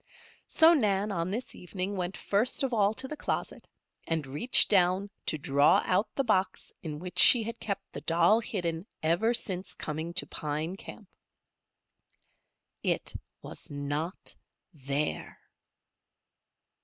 So Nan, on this evening, went first of all to the closet and reached down to draw out the box in which she had kept the doll hidden ever since coming to Pine Camp. It was not there!